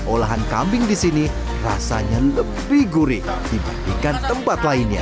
olahan kambing di sini rasanya lebih gurih dibandingkan tempat lainnya